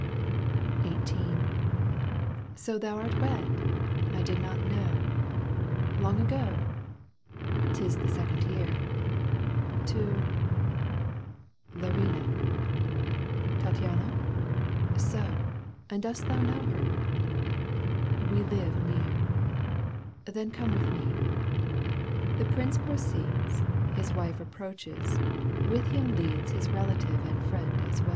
XVIII. " So thou art wed ! I did not know. Long ago ?"—" 'Tis the second year." " To ?"—" liuina."— " Tattiana ?"—" So. And dost thou know her?" — "We live near." " Then come with me." The prince proceeds. His wife approaches, with him leads His relative and friend as weU.